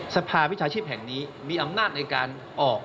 สภาวิชาชีพแห่งนี้มีอำนาจในการออก